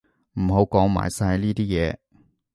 唔好講埋晒呢啲嘢